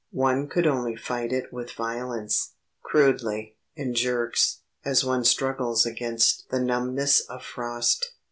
One could only fight it with violence, crudely, in jerks, as one struggles against the numbness of frost.